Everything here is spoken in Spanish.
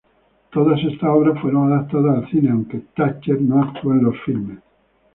Todas esas obras fueron adaptadas al cine, aunque Thatcher no actuó en los filmes.